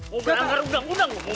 mau berangkat undang undang